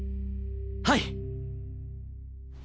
はい！